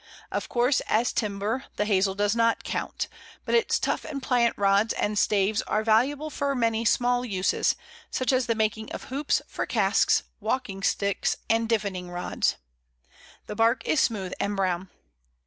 Of course, as timber, the Hazel does not count, but its tough and pliant rods and staves are valuable for many small uses, such as the making of hoops for casks, walking sticks, and divining rods! The bark is smooth and brown.